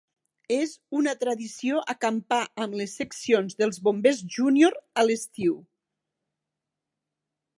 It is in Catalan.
És una tradició acampar amb les seccions dels bombers júnior a l'estiu.